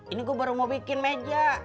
ini gue baru mau bikin meja